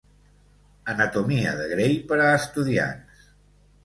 Anatomia de Gray per a estudiants.